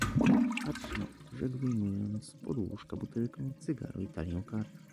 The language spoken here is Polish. "„Patrzno,“ rzekł, wyjmując z pod łóżka butelkę, cygaro i talię kart."